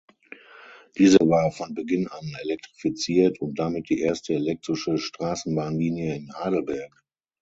Diese war von Beginn an elektrifiziert und damit die erste elektrische Straßenbahnlinie in Heidelberg.